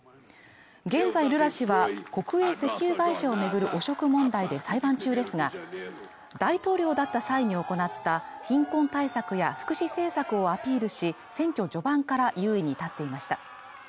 現在ルラ氏は国営石油会社をめぐる汚職問題で裁判中ですが大統領だった際に行った貧困対策や福祉政策をアピールし選挙序盤から優位に立っていました